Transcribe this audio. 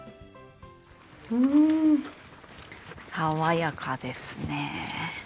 うん、爽やかですね。